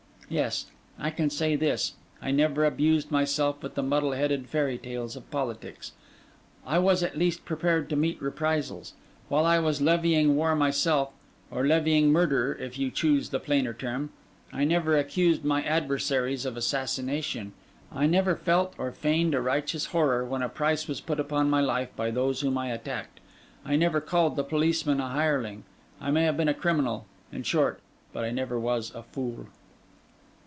Yes: I can say this: I never abused myself with the muddle headed fairy tales of politics. I was at least prepared to meet reprisals. While I was levying war myself—or levying murder, if you choose the plainer term—I never accused my adversaries of assassination. I never felt or feigned a righteous horror, when a price was put upon my life by those whom I attacked. I never called the policeman a hireling. I may have been a criminal, in short; but I never was a fool.